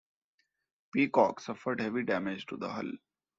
"Peacock" suffered heavy damage to the hull.